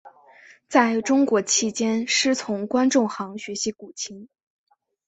在中国期间师从关仲航学习古琴。